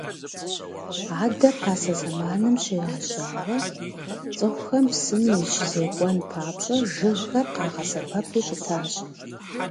Адэ пасэ зэманым щегъэжьауэ цӏыхухэм псым ирищызекӏуэн папщӏэ жыгхэр къагъэсэбэпу щытащ.